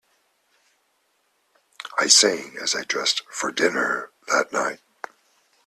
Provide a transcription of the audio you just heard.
I sang as I dressed for dinner that night.